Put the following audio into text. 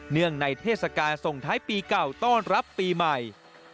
เนื่องในเทศกาลส่งท้ายปีเก่าต้อนรับปีใหม่